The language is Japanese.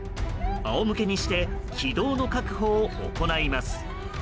あおむけにして気道の確保を行います。